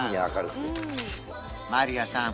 マリアさん